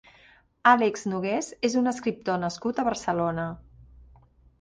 Alex Nogués és un escriptor nascut a Barcelona.